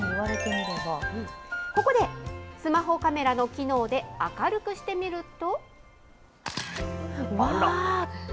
ここで、スマホカメラの機能で明るくしてみると。